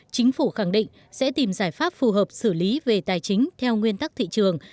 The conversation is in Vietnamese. chính phủ khẳng định sẽ tìm giải pháp phù hợp xử lý về tài chính theo nguyên tắc thị trường